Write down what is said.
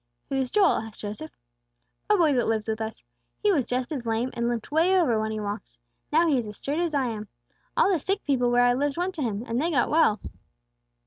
"Who's Joel?" asked Joseph. "A boy that lives with us. He was just as lame, and limped way over when he walked. Now he is as straight as I am. All the sick people where I lived went to Him, and they got well."